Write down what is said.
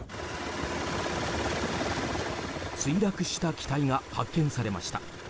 墜落した機体が発見されました。